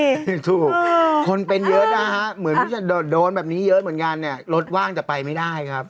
ไม่ถูกคนเป็นเยอะนะฮะเหมือนจะโดนแบบนี้เยอะเหมือนกันเนี่ยรถว่างจะไปไม่ได้ครับ